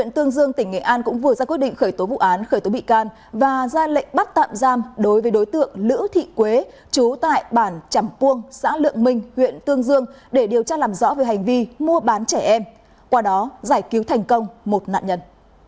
tương dương tỉnh nghệ an cũng vừa ra quyết định khởi tố vụ án khởi tố bị can và ra lệnh bắt tạm giam đối với đối tượng lữ thị quế chú tại bản chẳng puông xã lượng minh huyện tương dương để điều tra làm rõ về hành vi mua bán trẻ em qua đó giải cứu thành công một nạn nhân